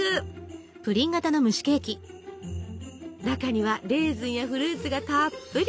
中にはレーズンやフルーツがたっぷり。